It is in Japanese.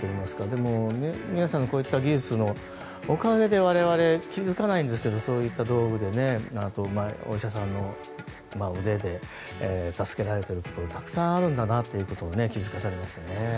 でも、皆さんのこういった技術のおかげで我々は気付かないんですがそういった道具でお医者さんの腕で助けられていることがたくさんあるんだなということを気付かされましたね。